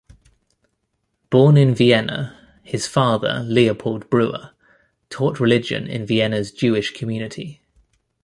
Born in Vienna, his father, Leopold Breuer, taught religion in Vienna's Jewish community.